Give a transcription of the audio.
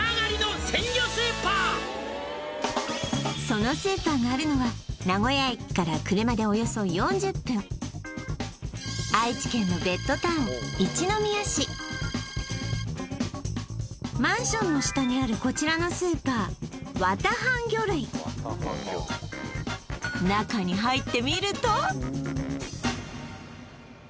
そのスーパーがあるのは名古屋駅から車でおよそ４０分マンションの下にあるこちらのスーパー綿半魚類おおっ！